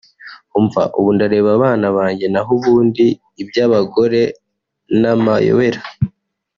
umva ubu ndareba abana banjye naho ubundi ibyabagore namayobera